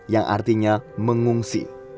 yang artinya mengungsi